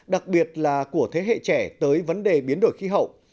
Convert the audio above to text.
đặc biệt là của thế hệ trẻ tới vấn đề biến đổi khí hậu